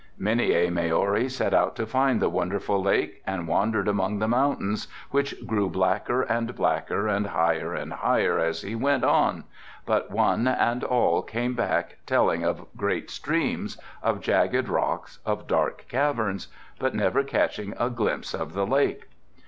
Many a Maori set out to find the wonderful lake and wandered among the mountains, which grew blacker and blacker and higher and higher as he went on, but one and all came back telling of great streams, of jagged rocks, of dark caverns, but never catching a glimpse of the lake."